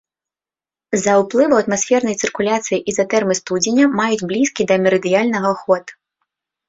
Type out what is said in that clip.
З-за ўплыву атмасфернай цыркуляцыі ізатэрмы студзеня маюць блізкі да мерыдыянальнага ход.